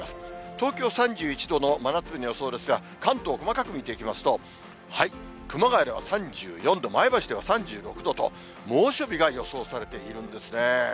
東京３１度の真夏日の予想ですが、関東、細かく見ていきますと、熊谷では３４度、前橋では３６度と猛暑日が予想されているんですね。